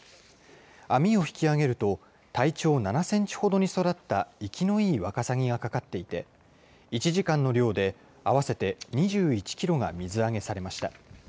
網を引き上げると、体長７センチほどに育った生きのいいワカサギがかかっていて、１時間の漁で合わせて２１キロが水揚げされました。